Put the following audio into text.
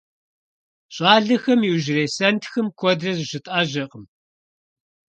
ЩIалэхэм иужьрей сэнтхым куэдрэ зыщытIэжьакъым.